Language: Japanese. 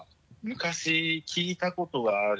昔聞いたことがある？